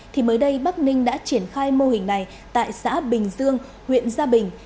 thì mới đây bắc ninh đã triển khai mô hình này tại xã bình dương huyện gia bình